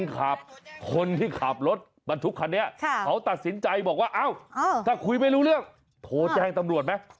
ขับคนที่ขับรถบรรทุกคันนี้เขาตัดสินใจบอกว่าเอ้าถ้าคุยไม่รู้เรื่องโทรแจ้งตำรวจไหม